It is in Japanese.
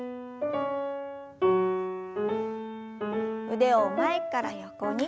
腕を前から横に。